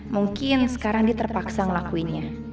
mungkin sekarang dia terpaksa ngelakuinnya